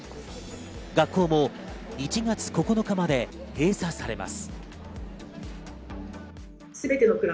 学校も１月９日まで閉鎖されます。